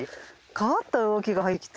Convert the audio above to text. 変わった動きが入ってきた。